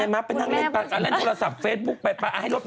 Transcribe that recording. อะไรนะคุณแม่มาไปนั่งเล่นอันนั้นโทรศัพท์เฟซบุ๊คไป